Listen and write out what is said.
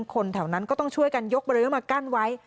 คนแถวนั้นก็ต้องช่วยกันยกบลื้อมากั้นไว้